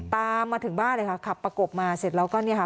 ตามมาถึงบ้านเลยค่ะขับประกบมาเสร็จแล้วก็เนี่ยค่ะ